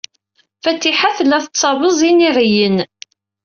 Fatiḥa tella tettabeẓ iniɣiyen.